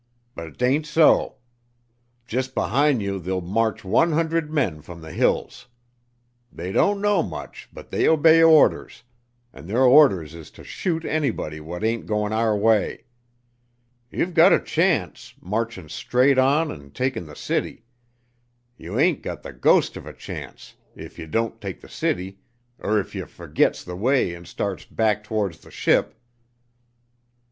But t'ain't so. Jus' behin' you there'll march one hundred men from the hills. They don't know much, but they obey orders, an' their orders is to shoot anybody what ain't goin' our way. Ye've got a chance, marchin' straight on an' takin' the city; ye ain't gut the ghost of a chance, if ye don't take the city er if ye fergits the way and starts back towards the ship.